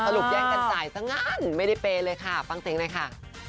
ปแย่งกันจ่ายซะงั้นไม่ได้เปย์เลยค่ะฟังเสียงหน่อยค่ะ